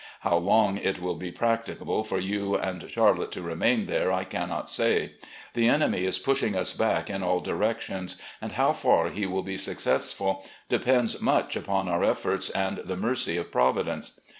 How long it will be practicable for you and Charlotte to remain there I cannot say. The enemy is pushing tis back in all directions, and how far he will be successful depends much upon our efforts and the mercy of Providence.